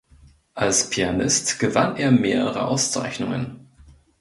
Als Pianist gewann er mehrere Auszeichnungen.